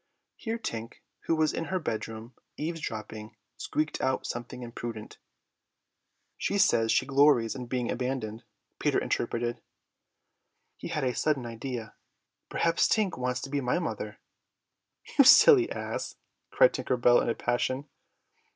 Here Tink, who was in her bedroom, eavesdropping, squeaked out something impudent. "She says she glories in being abandoned," Peter interpreted. He had a sudden idea. "Perhaps Tink wants to be my mother?" "You silly ass!" cried Tinker Bell in a passion.